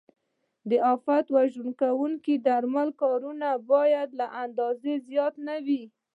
د آفت وژونکو درملو کارونه باید له اندازې زیات نه وي.